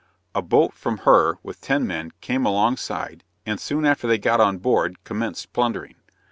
A boat from her, with 10 men, came alongside, and soon after they got on board commenced plundering.